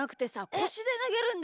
こしでなげんの。